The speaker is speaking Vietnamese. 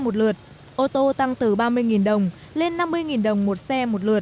cụ thể xe máy tăng từ ba lên năm đồng một xe